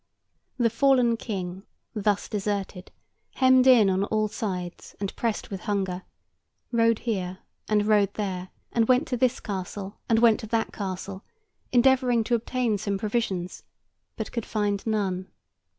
The fallen King, thus deserted—hemmed in on all sides, and pressed with hunger—rode here and rode there, and went to this castle, and went to that castle, endeavouring to obtain some provisions, but could find none.